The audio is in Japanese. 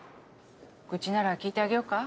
愚痴なら聞いてあげようか？